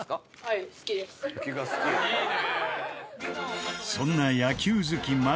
いいね。